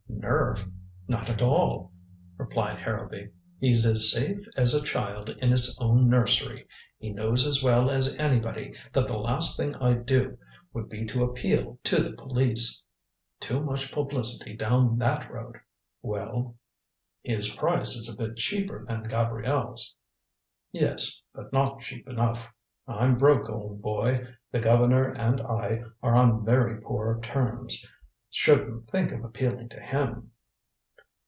"Nerve not at all," replied Harrowby. "He's as safe as a child in its own nursery. He knows as well as anybody that the last thing I'd do would be to appeal to the police. Too much publicity down that road. Well?" "His price is a bit cheaper than Gabrielle's." "Yes, but not cheap enough. I'm broke, old boy. The governor and I are on very poor terms. Shouldn't think of appealing to him."